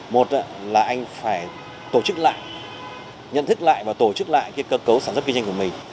một là anh phải tổ chức lại nhận thức lại và tổ chức lại cơ cấu sản xuất kinh doanh của mình